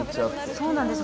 そうなんですよ。